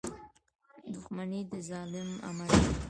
• دښمني د ظالم عمل دی.